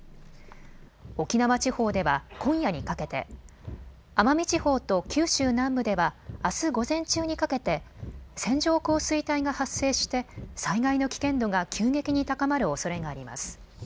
沖縄地方では今夜にかけて、奄美地方と九州南部ではあす午前中にかけて線状降水帯が発生して災害の危険度が急激に高まるおそれがあります。